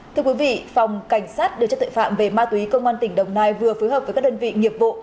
thưa quý vị phòng cảnh sát điều tra tội phạm về ma túy công an tỉnh đồng nai vừa phối hợp với các đơn vị nghiệp vụ